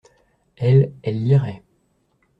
Elles, elles liraient.